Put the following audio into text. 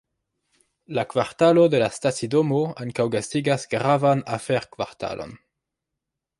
La kvartalo de la stacidomo ankaŭ gastigas gravan afer-kvartalon.